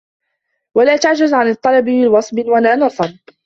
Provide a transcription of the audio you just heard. وَلَا تَعْجَزْ عَنْ الطَّلَبِ لِوَصَبٍ وَلَا نَصَبٍ